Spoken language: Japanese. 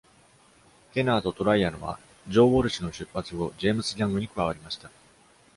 ケナーとトライアノはジョー・ウォルシュの出発後、ジェームス・ギャングに加わりました。